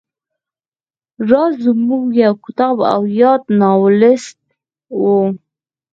راز زموږ یو کامیاب او یاد ناولسټ و